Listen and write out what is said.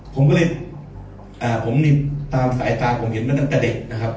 ผมก็เลยผมตามสายตาผมเห็นมาตั้งแต่เด็กนะครับ